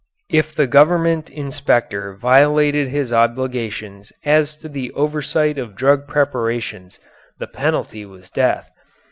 If the government inspector violated his obligations as to the oversight of drug preparations the penalty was death.